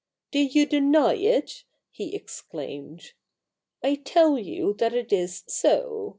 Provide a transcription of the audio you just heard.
' Do you deny it ?' he exclaimed. ' I tell you that it is so.